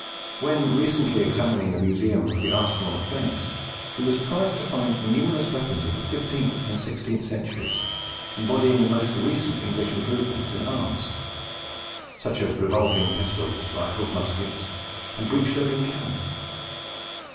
When recently examining the Museum of the Arsenal at Venice, we were surprised to find numerous weapons of the fifteenth and sixteenth centuries embodying the most recent English improvements in arms, such as revolving pistols, rifled muskets, and breech loading cannon.